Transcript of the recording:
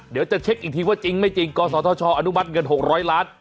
เดี๋ยวจะเช็คอีกทีว่าจริงไม่จริงกศธชอนุมัติเงิน๖๐๐ล้าน